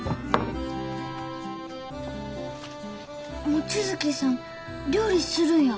望月さん料理するんや。